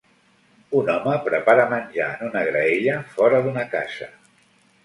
Un home prepara menjar en una graella fora d'una casa.